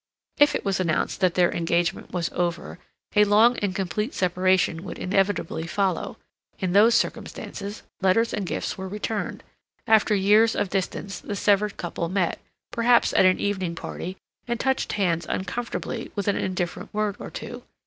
If it was announced that their engagement was over, a long and complete separation would inevitably follow; in those circumstances, letters and gifts were returned; after years of distance the severed couple met, perhaps at an evening party, and touched hands uncomfortably with an indifferent word or two.